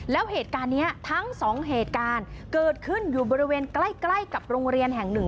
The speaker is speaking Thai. แล้วเหตุการณ์นี้ทั้งสองเหตุการณ์เกิดขึ้นอยู่บริเวณใกล้กับโรงเรียนแห่งหนึ่ง